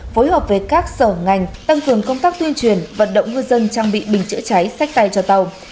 phối hợp với các sở ngành tăng cường công tác tuyên truyền vận động ngư dân trang bị bình chữa cháy sách tay cho tàu